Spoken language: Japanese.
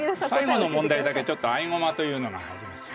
最後の問題だけ合駒というのが入ります。